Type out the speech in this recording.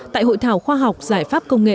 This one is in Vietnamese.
tại hội thảo khoa học giải pháp công nghệ